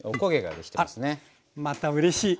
あっまたうれしい。